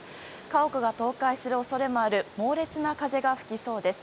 家屋が倒壊する恐れもある猛烈な風が吹きそうです。